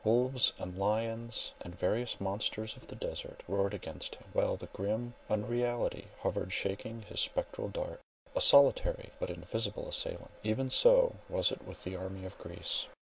Wolves and lions, and various monsters of the desert roared against him; while the grim Unreality hovered shaking his spectral dart, a solitary but invincible assailant. Even so was it with the army of Greece.